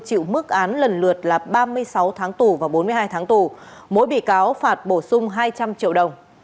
chịu mức án lần lượt là ba mươi sáu tháng tù và bốn mươi hai tháng tù mỗi bị cáo phạt bổ sung hai trăm linh triệu đồng